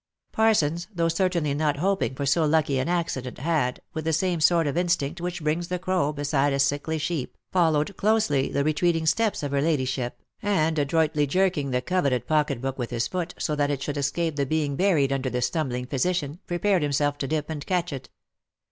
Parsons, though certainly not hoping for so lucky an accident, had, with the same sort of instinct which brings the crow beside a sickly sheep, followed closely the retreating steps of her ladyship, and ad roitly jerking the coveted pocket book with his foot, so that it should escape the being buried under the stumbling physician, prepared him self to dip and catch it.